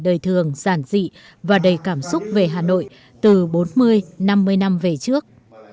đời thường giản dị và đầy cảm xúc về hà nội từ bốn mươi năm mươi năm về trước